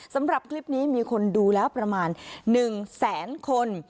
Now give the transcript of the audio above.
สำหรับคลิปนี้มีคนดูแล้วประมาณ๑แสนคน